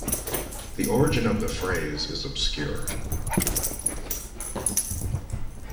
The origin of the phrase is obscure.